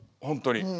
本当に。